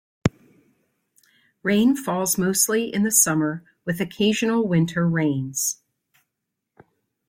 Rain falls mostly in the summer, with occasional winter rains.